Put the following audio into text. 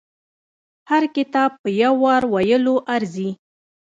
هر کتاب په يو وار ویلو ارزي.